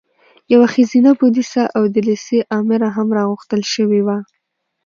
یوه ښځینه پولیسه او د لېسې امره هم راغوښتل شوې وه.